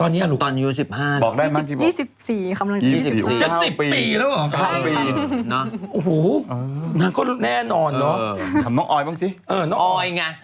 เออน้องออยไง